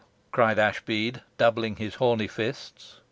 cried Ashbead, doubling his horny fists.